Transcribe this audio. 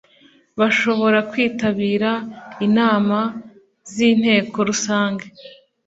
bashobora kwitabira inama z inteko rusange